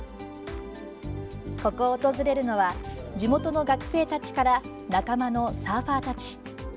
ここを訪れるのは地元の学生たちから仲間のサーファーたち。